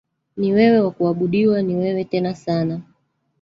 Ni wewe wa kuabudiwa ni wewe tena sana.